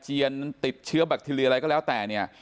ติดเชื้อแบคทีเรียอะไรก็แล้วแต่เนี่ย